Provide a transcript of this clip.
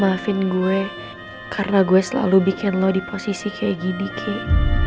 maafin gue karena gue selalu bikin lo di posisi kayak gini kayak